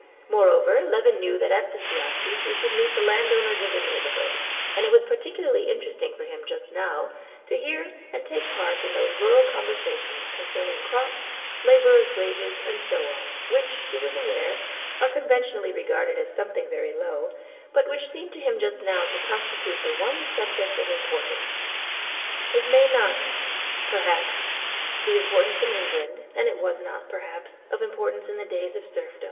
Moreover, Levin knew that at Sviazhsky's he should meet the landowners of the neighborhood, and it was particularly interesting for him just now to hear and take part in those rural conversations concerning crops, laborers' wages, and so on, which, he was aware, are conventionally regarded as something very low, but which seemed to him just now to constitute the one subject of importance. "It was not, perhaps, of importance in the days of serfdom, and it may not be of importance in England.